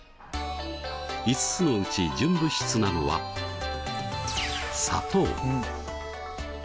５つのうち純物質なのは砂糖。